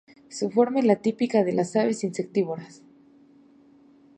Su forma es la típica de las aves insectívoras.